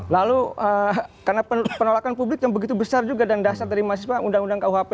lalu karena penolakan publik yang begitu besar juga dan dasar dari mahasiswa undang undang kuhp